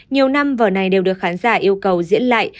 nhiều năm vở này đều được khán giả yêu cầu diễn lại